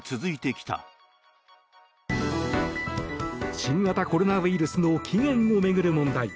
新型コロナウイルスの起源を巡る問題。